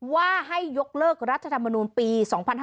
ว่าให้ยกเลิกรัฐธรรมนูลปี๒๕๕๙